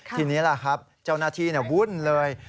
ทีนี้แหละครับเจ้านาธีวุ่นเลย